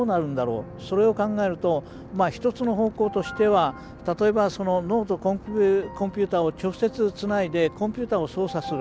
それを考えると一つの方向としては例えば脳とコンピューターを直接つないでコンピューターを操作する。